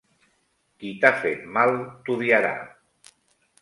Qui t'ha fet mal t'odiarà.